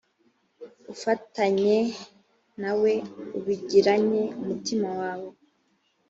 ufatanye na we ubigiranye umutima wawe